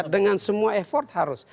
dengan semua effort harus